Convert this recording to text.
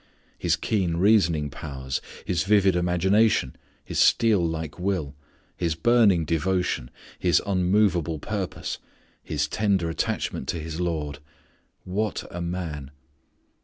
His keen reasoning powers, his vivid imagination, his steel like will, his burning devotion, his unmovable purpose, his tender attachment to his Lord, what a man!